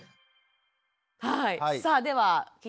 はい。